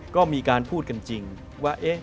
ก็มีการพูดกันจริงว่า